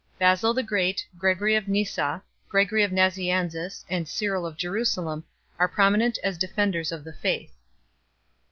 Basil the Great, Gregory of Nyssa, Gregory of Nazianzus, and Cyril of Jerusalem are prominent as defenders of the Faith.